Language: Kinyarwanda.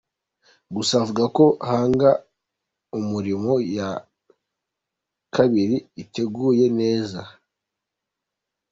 Gusa avuga ko Hanga Umurimo ya kabiri iteguye neza.